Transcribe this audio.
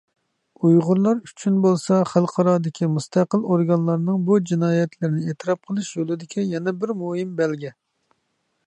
ئۇيغۇرلار ئۈچۈن بولسا، خەلقئارادىكى مۇستەقىل ئورگانلارنىڭ بۇ جىنايەتلەرنى ئېتىراپ قىلىش يولىدىكى يەنە بىر مۇھىم بەلگە.